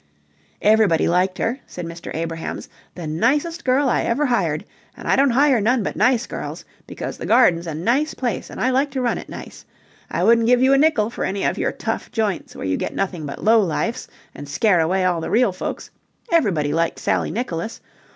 "Everybody liked her," said Mr. Abrahams. "The nicest girl I ever hired, and I don't hire none but nice girls, because the Garden's a nice place, and I like to run it nice. I wouldn't give you a nickel for any of your tough joints where you get nothing but low lifes and scare away all the real folks. Everybody liked Sally Nicholas.